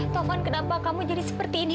tohon kenapa kamu jadi seperti ini